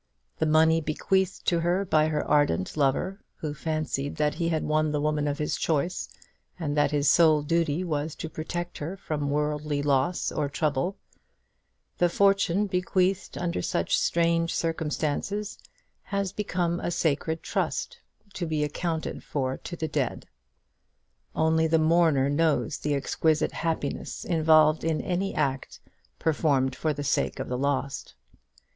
The money bequeathed to her by the ardent lover, who fancied that he had won the woman of his choice, and that his sole duty was to protect her from worldly loss or trouble, the fortune bequeathed under such strange circumstances has become a sacred trust, to be accounted for to the dead. Only the mourner knows the exquisite happiness involved in any act performed for the sake of the lost.